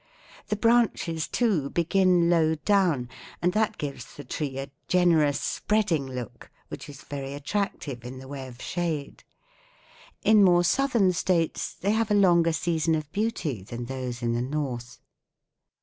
The branches, too, begin low down, and that gives the tree a generous spreading look which is very attractive in the way of shade. In more southern States they have a longer season of beauty than those in the North."